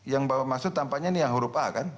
yang bapak maksud tampaknya ini yang huruf a kan